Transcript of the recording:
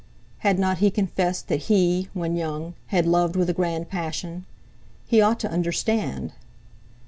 Had not he confessed that he—when young—had loved with a grand passion? He ought to understand!